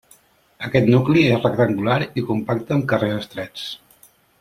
Aquest nucli és rectangular i compacte amb carrers estrets.